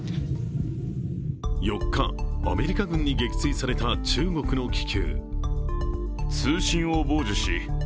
４日、アメリカ軍に撃墜された中国の気球。